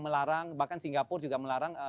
melarang bahkan singapura juga melarang